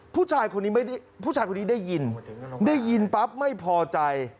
ผู้ชายคนนี้ได้ยินได้ยินปั๊บไม่พอใจ